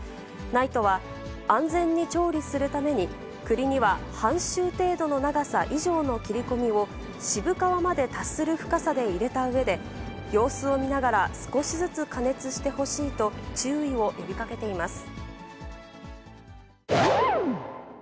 ＮＩＴＥは、安全に調理するために、くりには半周程度の長さ以上の切り込みを、渋皮まで達する深さで入れたうえで、様子を見ながら、少しずつ加熱してほしいと、注意を呼びかけています。